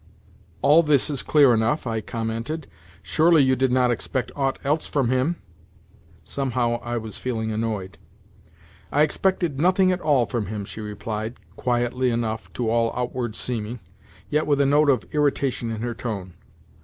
"All this is clear enough," I commented. "Surely you did not expect aught else from him?" Somehow I was feeling annoyed. "I expected nothing at all from him," she replied—quietly enough, to all outward seeming, yet with a note of irritation in her tone.